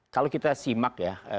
kalau kita simak ya